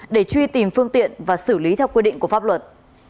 để truy tìm phương tiện và xử lý theo quy định của pháp luật